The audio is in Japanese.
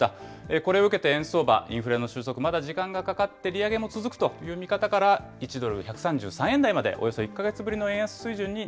これを受けて円相場、インフレの収束、まだ時間がかかって利上げも続くという見方から、１ドル１３３円台まで、およそ１か月ぶり